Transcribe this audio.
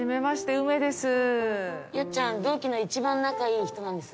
よっちゃん同期の一番仲いい人なんです。